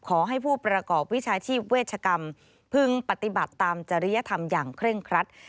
ขอให้ผู้ประกอบวิชาชีพเวชกรรมพึงปฏิบัติตามจริยธรรมอย่างเคร่งครัด